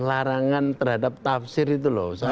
larangan terhadap tafsir itu loh